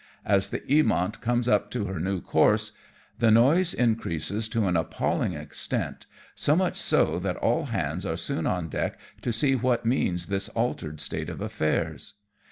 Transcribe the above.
As the Eamont comes up to her new course, the noise increases to an appalling extent, so much so that all hands are soon on deck to see what means this altered state of affairs.